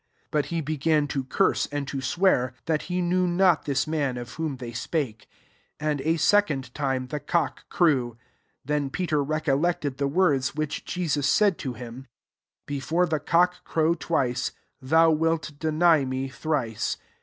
»>J 71 But he began to curse and to swear, that he knew not this man of whom they spake. 72 And a second time Ae cock crew. Then Pe ter recollected the words which Jesus said to him, Before the cock crow twice, thou wilt deny me thrice.